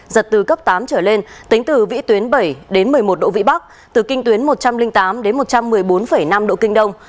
giật từ cấp tám trở lên tính từ vĩ tuyến bảy đến một mươi một độ vĩ bắc từ kinh tuyến một trăm linh tám đến một trăm một mươi bốn năm độ kinh đông